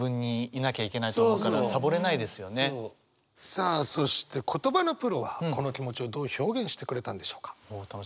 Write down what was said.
さあそして言葉のプロはこの気持ちをどう表現してくれたんでしょうか？